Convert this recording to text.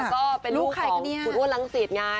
ก็เป็นลูกของคุณพ่อลังศิษย์ไง